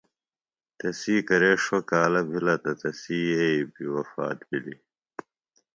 تسی کرے ݜوۡ کالہ بِھلہ تہ تسی یئی بیۡ وفات بِھلیۡ۔